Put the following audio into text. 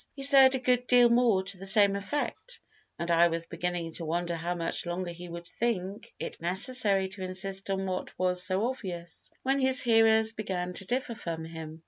He said a good deal more to the same effect, and I was beginning to wonder how much longer he would think it necessary to insist on what was so obvious, when his hearers began to differ from him.